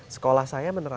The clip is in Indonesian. sekolah saya menerapkan